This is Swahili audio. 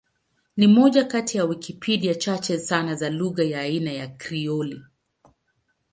Ni moja kati ya Wikipedia chache sana za lugha ya aina ya Krioli.